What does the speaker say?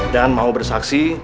dan mau bersaksi